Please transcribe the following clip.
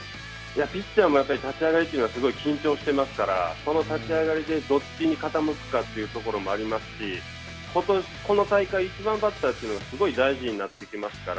いや、ピッチャーもやっぱり立ち上がりというのはすごい緊張していますから、その立ち上がりで、どっちに傾くかというところもありますし、本当にこの大会、１番バッターというのがすごい大事になってきますから。